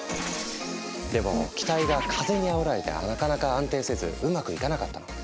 でも機体が風にあおられてなかなか安定せずうまくいかなかったの。